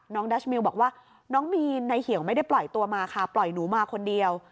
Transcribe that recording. ดัชมิวบอกว่าน้องมีนในเหี่ยวไม่ได้ปล่อยตัวมาค่ะปล่อยหนูมาคนเดียว